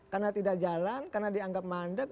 karena tidak jalan karena dianggap mandeg